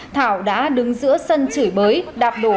thảo đã đứng giữa sân chửi bới đạp đổ